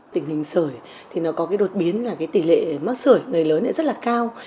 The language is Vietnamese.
tình hình sởi thì nó có cái đột biến là cái tỷ lệ mắc sợi người lớn này rất là cao